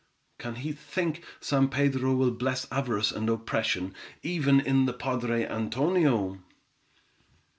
"Can he think San Pedro will bless avarice and oppression, even in the padre Antonio?"